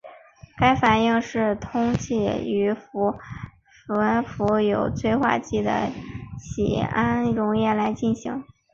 该反应是通氢气于悬浮有催化剂的酰氯溶液中来进行。